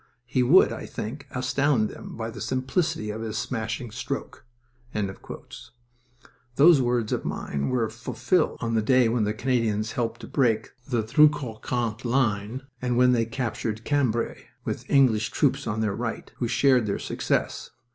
He would, I think, astound them by the simplicity of his smashing stroke." Those words of mine were fulfilled on the day when the Canadians helped to break the Drocourt Queant line, and when they captured Cambrai, with English troops on their right, who shared their success.